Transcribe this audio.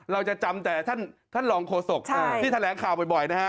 เราจะจำแต่ท่านท่านหลองโคศกใช่ที่แถลงข่าวบ่อยบ่อยนะฮะ